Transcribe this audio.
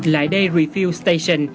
lại đây refuse station